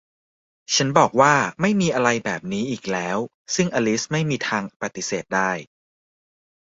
ฉันบอกว่า ไม่มีอะไรแบบนี้อีกแล้ว ซึ่งอลิซไม่มีทางปฏิเสธได้